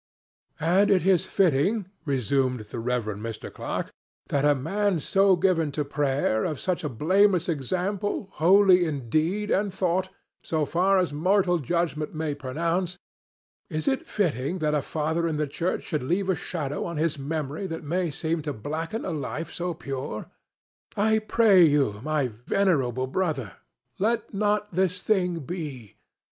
"And is it fitting," resumed the Reverend Mr. Clark, "that a man so given to prayer, of such a blameless example, holy in deed and thought, so far as mortal judgment may pronounce,—is it fitting that a father in the Church should leave a shadow on his memory that may seem to blacken a life so pure? I pray you, my venerable brother, let not this thing be!